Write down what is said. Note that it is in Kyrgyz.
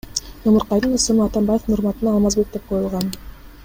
Ымыркайдын ысымы Атамбаевдин урматына Алмазбек деп коюлган.